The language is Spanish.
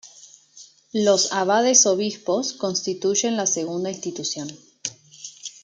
Los abades-obispos constituyen la segunda institución.